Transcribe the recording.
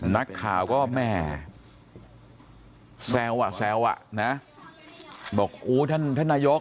นักข่าวก็แม่แซวอะนะบอกท่านท่านนายก